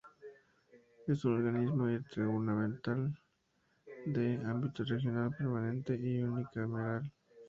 Es un organismo intergubernamental de ámbito regional, permanente y unicameral.